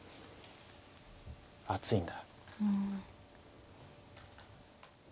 暑いんだ。